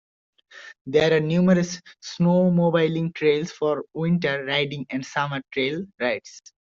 There are numerous snowmobiling trails for winter riding and summer trail rides.